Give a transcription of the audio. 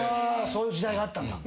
そういう時代があったんだ。